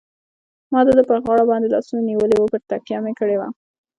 ما د ده پر غاړه باندې لاسونه نیولي وو، پرې تکیه مې کړې وه.